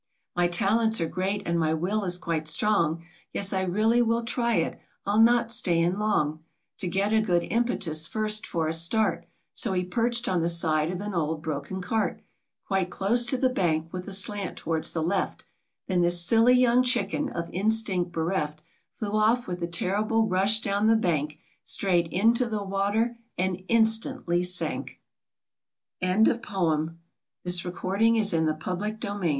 My talents are great, and my will is quite strong; Yes, I really will try it; I'll not stay in long. To get a good impetus first, for a start," — So he perched on the side of an old broken cart, Quite close to the bank, with a slant towards the left; Then this silly young Chicken, of instinct bereft, Flew off, with a terrible rush down the bank, Straight into the water, and instantly